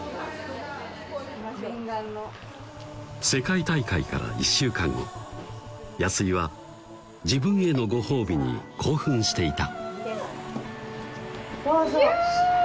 世界大会から１週間後安井は自分へのご褒美に興奮していたどうぞいや！